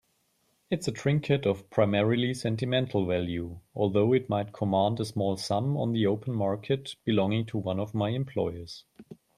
It's a trinket of primarily sentimental value, although it might command a small sum on the open market, belonging to one of my employers.